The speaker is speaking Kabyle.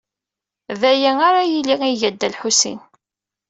D aya ara yili iga-t Dda Lḥusin.